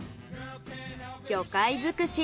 魚介尽くし